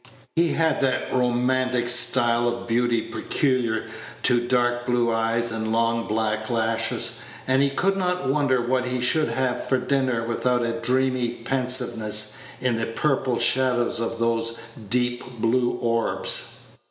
He had that romantic style of beauty peculiar to dark blue eyes and long black lashes, and he could not wonder what he should have for dinner without a dreamy pensiveness in the purple shadows of those deep blue orbs.